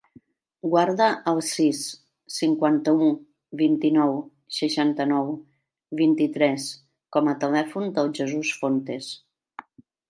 Guarda el sis, cinquanta-u, vint-i-nou, seixanta-nou, vint-i-tres com a telèfon del Jesús Fontes.